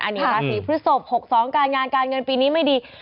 อันนี้ราศีพฤศพ๖๒การงานการเงินปีนี้ไม่ดี